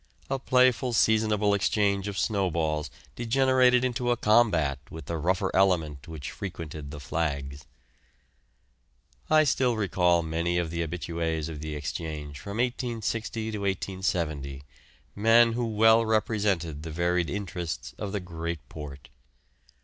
A playful seasonable exchange of snowballs degenerated into a combat with the rougher element which frequented the "flags." I still recall many of the habitués of the Exchange from 1860 to 1870, men who well represented the varied interests of the great port.